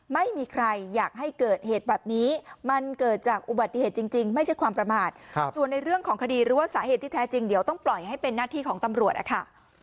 ไม่มีใครอยากให้เกิดเหตุแบบนี้มันเกิดจากอุบัติเหตุจริงไม่ใช่ความประมาทส่วนในเรื่องของคดีหรือว่าสาเหตุที่แท้จริงเดี๋ยวต้องปล่อยให้เป็นหน้าที่ของตำรวจนะคะ